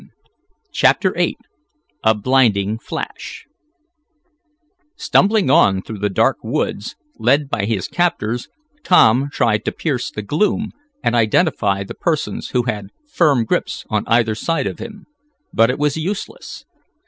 CHAPTER VIII A BLINDING FLASH Stumbling on through the dark woods, led by his captors, Tom tried to pierce the gloom and identify the persons who had firm grips on either side of him. But it was useless.